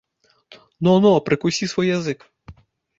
Но, но, прыкусі свой язык.